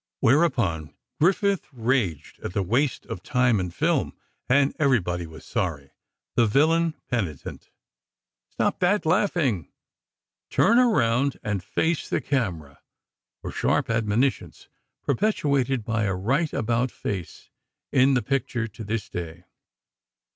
Whereupon, Griffith raged at the waste of time and film, and everybody was sorry, the villain penitent. "Stop that laughing! Turn around and face the camera," were sharp admonitions perpetuated by a right about face in the picture to this day.